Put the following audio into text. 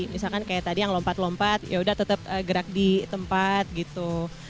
misalkan kayak tadi yang lompat lompat yaudah tetap gerak di tempat gitu